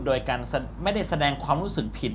โดยการไม่ได้แสดงความรู้สึกผิด